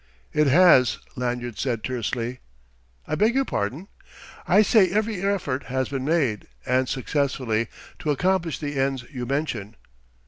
"It has," Lanyard said tersely. "I beg your pardon?" "I say every effort has been made and successfully to accomplish the ends you mention."